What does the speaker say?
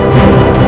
aku mau pergi